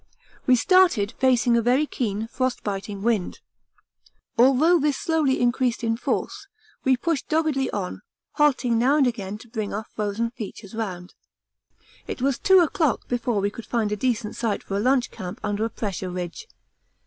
We started facing a very keen, frostbiting wind. Although this slowly increased in force, we pushed doggedly on, halting now and again to bring our frozen features round. It was 2 o'clock before we could find a decent site for a lunch camp under a pressure ridge.